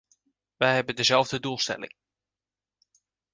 Wij hebben dezelfde doelstelling.